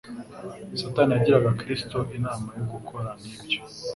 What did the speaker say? Satani yagiraga Kristo inama yo gukora nk'ibyo.